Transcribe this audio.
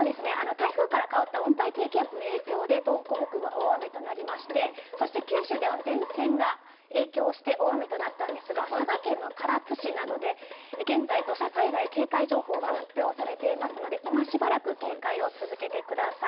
台風から変わった温帯低気圧の影響で、東北北部は大雨となりまして、そして九州では前線が影響して、大雨となったんですが、佐賀県の唐津市などで現在、土砂災害警戒情報が発表されていますので、今しばらく警戒を続けてください。